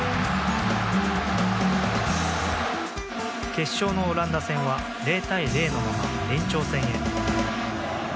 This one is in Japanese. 決勝のオランダ戦は０対０のまま延長戦へ。